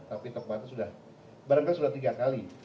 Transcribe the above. tapi barangkali sudah tiga kali